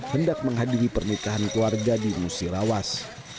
hendak menghadiri pernikahan keluarga di musirawas